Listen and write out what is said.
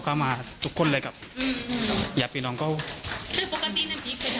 เขามาแม้ทุกคนเลยครับอืมอย่าเป็นอง์ก็ไม่ครับ